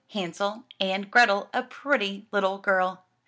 Hansel, and Grethel, a pretty little girl.